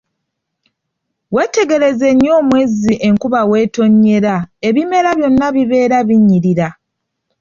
Weetegereze nnyo omwezi enkuba weetonnyera ebimera byonna bibeera binyirira.